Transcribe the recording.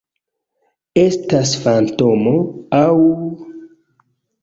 Estas fantomo aŭ...